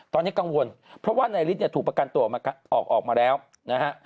ตอนนี้กังวลเพราะว่านายฤทธิเนี่ยถูกประกันตัวออกมาแล้วนะฮะ